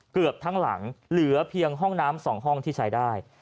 เกือบทั้งหลังเหลือเพียงห้องน้ำ๒ห้องที่ใช้ได้